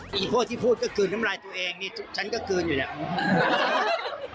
พี่โพธที่พูดก็คืนน้ำลายตัวเองนี่ฉันก็คืนอยู่เนี่ย